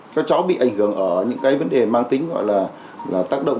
các cháu bị ảnh hưởng ở những cái vấn đề mang tính gọi là tác động